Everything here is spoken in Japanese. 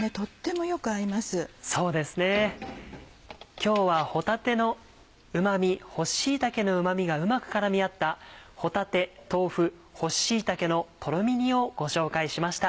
今日は帆立のうま味干し椎茸のうま味がうまく絡み合った「帆立豆腐干し椎茸のとろみ煮」をご紹介しました。